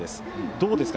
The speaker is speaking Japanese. どうですか？